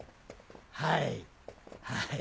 はいはい。